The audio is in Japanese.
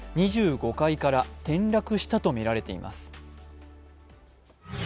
２５階から転落したとみられています。